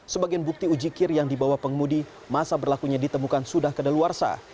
sebagian bukti ujikir yang dibawa pengemudi masa berlakunya ditemukan sudah kedaluarsa